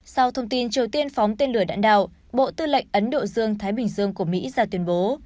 sau thông tin triều tiên phóng tên lửa đạn đạo bộ tư lệnh ấn độ dương thái bình dương của mỹ ra tuyên bố